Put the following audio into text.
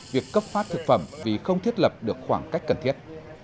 việc cấp phát thực phẩm vì không thiết lập được khoảng cách cần thiết